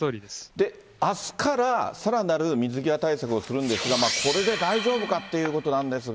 で、あすからさらなる水際対策をするんですが、これで大丈夫かっていうことなんですが。